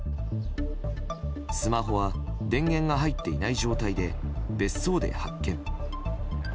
スマホは電源が入っていない状態で別荘で発見。